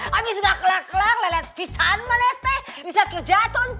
habis gak kelar kelar lele pisahan malete bisa kerja tontu